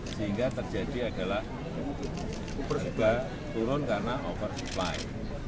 sehingga terjadi adalah perubah turun karena oversupply